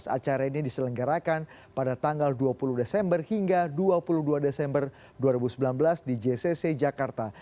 acara ini diselenggarakan pada tanggal dua puluh desember hingga dua puluh dua desember dua ribu sembilan belas di jcc jakarta